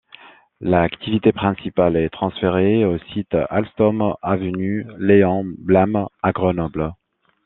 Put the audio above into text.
L'activité principale est transférée au site Alstom, avenue Léon Blum à Grenoble.